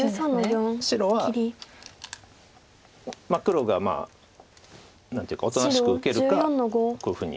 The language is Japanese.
白は黒が何ていうかおとなしく受けるかこういうふうに。